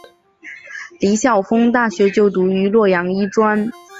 李晓峰大学就读于洛阳医专。